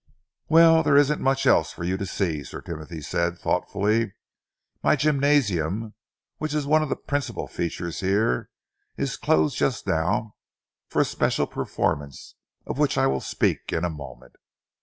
"Well, there isn't much else for you to see," Sir Timothy said thoughtfully. "My gymnasium, which is one of the principal features here, is closed just now for a special performance, of which I will speak in a moment.